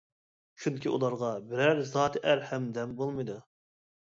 چۈنكى ئۇلارغا بىرەر زاتى ئەر ھەمدەم بولمىدى.